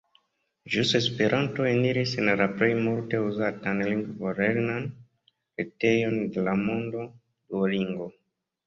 Ĵus Esperanto eniris en la plej multe uzatan lingvolernan retejon de la mondo, Duolingo.